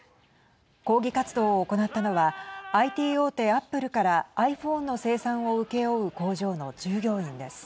抗議活動を行ったのはＩＴ大手アップルからｉＰｈｏｎｅの生産を請け負う工場の従業員です。